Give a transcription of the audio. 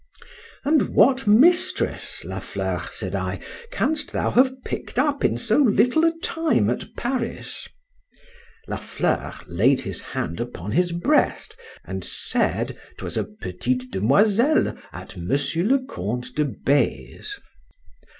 —And what mistress, La Fleur, said I, canst thou have picked up in so little a time at Paris? La Fleur laid his hand upon his breast, and said 'twas a petite demoiselle, at Monsieur le Count de B—'s.